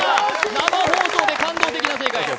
生放送で感動的な正解です。